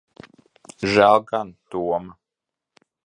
Žēl gan Toma.